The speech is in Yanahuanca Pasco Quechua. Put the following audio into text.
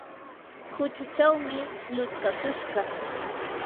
huchuchawmi lutskakushqa.